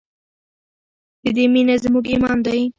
د دې مینه زموږ ایمان دی؟